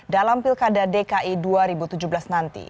dalam pilkada dki dua ribu tujuh belas nanti